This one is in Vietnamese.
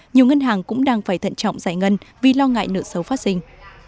nhiều ngân hàng cũng đang phải thận trọng giải ngân vì lo ngại nợ sâu phát sinh